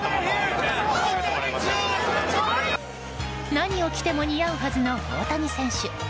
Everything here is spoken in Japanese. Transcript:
何を着ても似合うはずの大谷選手。